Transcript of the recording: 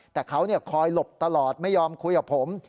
แต่เขาคอยหลบตลอดไม่ยอมคุยกับผม